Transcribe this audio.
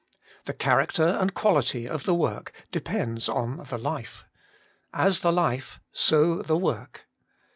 The character and quality of the work de pends on the Hfe: as the Hfe, so the work.